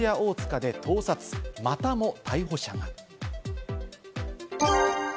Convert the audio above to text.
中学受験塾・四谷大塚で盗撮、またも逮捕者が。